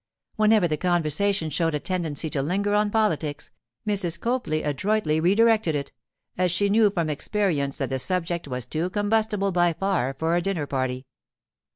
Whenever the conversation showed a tendency to linger on politics, Mrs. Copley adroitly redirected it, as she knew from experience that the subject was too combustible by far for a dinner party.